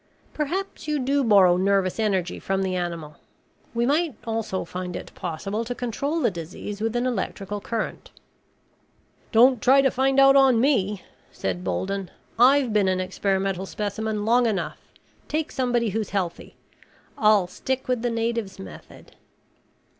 "Perhaps you do borrow nervous energy from the animal. We might also find it possible to control the disease with an electrical current." "Don't try to find out on me," said Bolden. "I've been an experimental specimen long enough. Take somebody who's healthy. I'll stick with the natives' method."